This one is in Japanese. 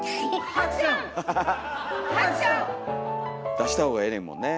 出したほうがええねんもんね。